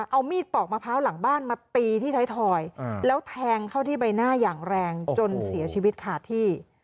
เอามีดปอกมะพร้าวหลังบ้านมาตีที่ไทยทอยแล้วแทงเข้าที่ใบหน้าอย่างแรงจนเสียชีวิตขาดที่